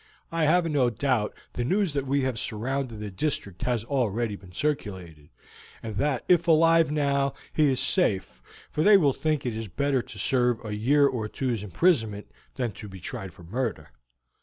I have no doubt the news that we have surrounded the district has already been circulated, and that if alive now he is safe, for they will think it is better to suffer a year or two's imprisonment than to be tried for murder.